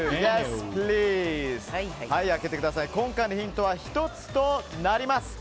今回のヒントは１つとなります。